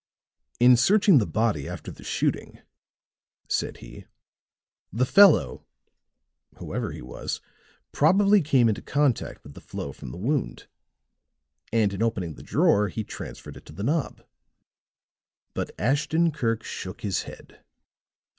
"In searching the body after the shooting," said he, "the fellow, whoever he was, probably came in contact with the flow from the wound. And in opening the drawer he transferred it to the knob." But Ashton Kirk shook his head.